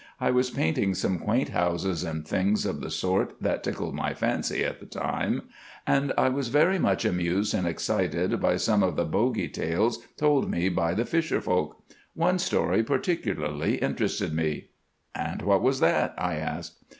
I was painting some quaint houses and things of the sort that tickled my fancy at the time, and I was very much amused and excited by some of the bogie tales told me by the fisher folk. One story particularly interested me." "And what was that?" I asked.